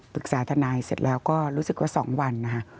ปรึกษาทนายเสร็จแล้วก็รู้สึกว่าสองวันค่ะ